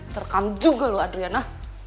terkam juga lo adriana